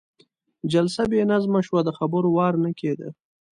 جلسه بې نظمه شوه، د خبرو وار نه کېده.